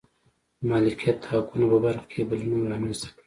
د مالکیت حقونو په برخه کې یې بدلونونه رامنځته کړل.